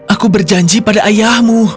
aku berjanji pada ayahmu